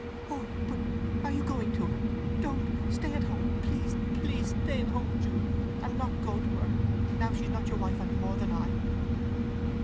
"Oh, but are you going to her? Don't! Stay at home! Please, please stay at home, Jude, and not go to her, now she's not your wife any more than I!"